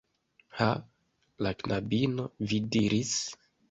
Ha? La knabino, vi diris